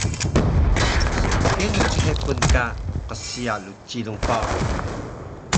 So kenu chepun ka qsiya rcilung paru?